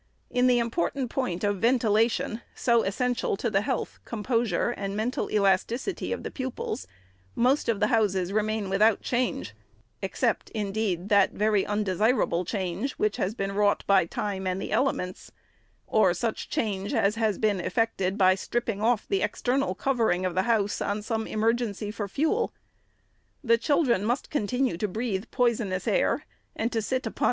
In the important point of ventila tion, so essential to the health, composure, and mental elasticity of the pupils, most of the houses remain without change ; except, indeed, that very undesirable change which has been wrought by time and the elements ;— or such change as has been effected by stripping off the ex ternal covering of the house, on some emergency for fuel. SECOND ANNUAL REPORT. 499 The children must continue to breathe poisonous air, and to sit upon